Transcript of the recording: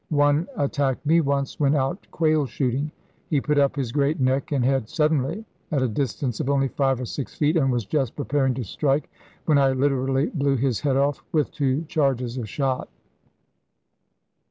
One attacked me once when out quail shooting. He put up his great neck and head suddenly at a distance of only five or six feet, and was just preparing to strike, when I literally blew his head off with two charges of shot.